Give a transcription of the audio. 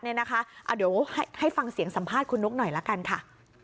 เดี๋ยวให้ฟังเสียงสัมภาษณ์คุณนุ๊กหน่อยละกันค่ะ